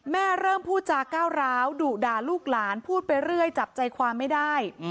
เริ่มพูดจาก้าวร้าวดุด่าลูกหลานพูดไปเรื่อยจับใจความไม่ได้